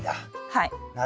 はい。